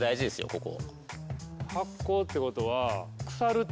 ここ。